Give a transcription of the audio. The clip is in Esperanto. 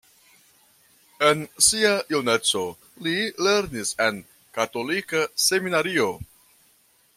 En sia juneco, li lernis en katolika seminario.